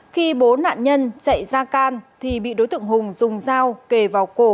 khi bốn nạn nhân chạy ra can thì bị đối tượng hùng dùng dao bầu chém nhiều nhát vào đầu và tay trái của anh hát